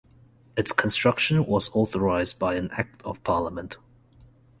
Its construction was authorised by an Act of Parliament.